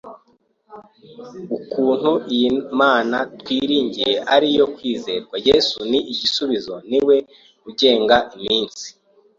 ukuntu iyi Mana twiringiye ari iyo kwizerwa, Yesu ni igisubizo niwe ugenga iminsi